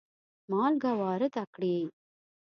مالګه وارده کړي.